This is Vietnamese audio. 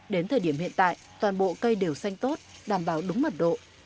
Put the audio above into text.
đến thời điểm hiện tại toàn bộ cây đều xanh tốt đảm bảo đúng mật độ